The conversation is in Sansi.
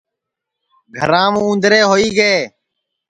گھرام اُوندرے ہوئی گے